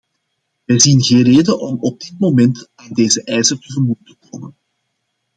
Wij zien geen reden om op dit moment aan deze eisen tegemoet te komen.